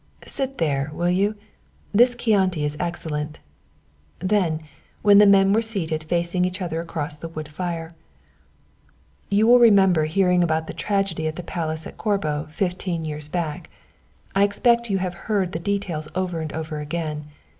Sit there, will you? This Chianti is excellent"; then, when the men were seated facing each other across the wood fire "You will remember hearing about the tragedy at the Palace at Corbo fifteen years back. I expect you have heard the details over and over again.